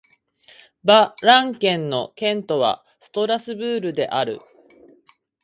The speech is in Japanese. バ＝ラン県の県都はストラスブールである